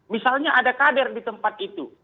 misalnya ada kader di tempat itu